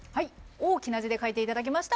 大きな字で書いていただきました。